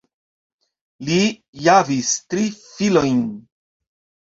Li javis tri filojn.